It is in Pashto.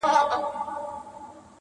کليوال خلک د موضوع په اړه ډيري خبري کوي،